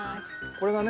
これがね